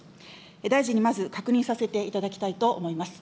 大臣にまず確認させていただきたいと思います。